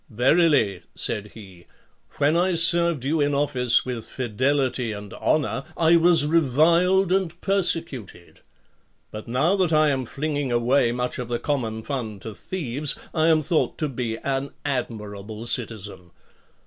." Verily," said he, "when I served you in office with fidelity and honour, I was reviled and persecuted ; but now that I am flinging away much of the common fund to thieves, I am thought to be an admirable citizen.